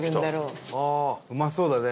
伊達：うまそうだね。